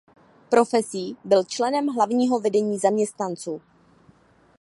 Profesí byl členem hlavního vedení zaměstnanců.